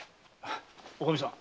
おかみさん